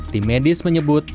tim medis menyebut